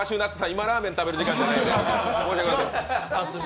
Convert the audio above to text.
今、ラーメン食べる時間じゃないです。